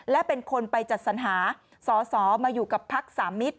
และเป็นคนไปจัดสนหาสสมาอยู่กับภักดิ์๓มิตร